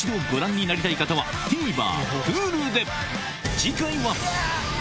次回は！